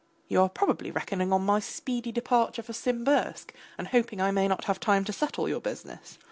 You are probably reckoning on my speedy departure to Simbirsk, and hoping I may not have time to settle your business.